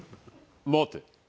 待て。